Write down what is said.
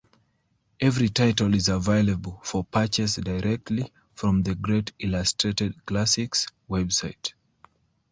Every title is available for purchase directly from the Great Illustrated Classics website.